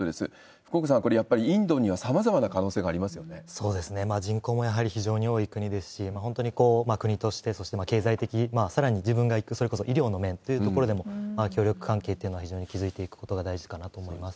福岡さん、これ、やっぱりインドにはさまざまな可能性がありますそうですね、人口もやはり非常に多い国ですし、本当に国として、そして経済的、さらに自分が行く、それこそ医療の面というところでも、協力関係っていうのを築いていくことが、大事かなと思いますね。